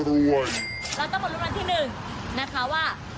แล้วต้องรู้กันที่หนึ่งนะคะว่า